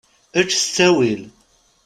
Ečč s ttawil.